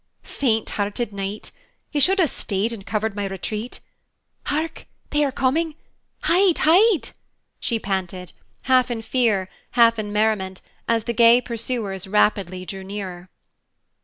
"Fainthearted knight! You should have stayed and covered my retreat. Hark! they are coming! Hide! Hide!" she panted, half in fear, half in merriment, as the gay pursuers rapidly drew nearer.